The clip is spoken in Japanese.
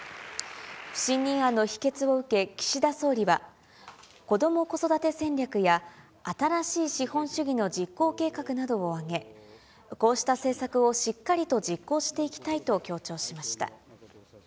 不信任案の否決を受け、岸田総理は、こども子育て戦略や新しい資本主義の実行計画などを挙げ、こうした政策をしっかりと実行していきたいと強調しました。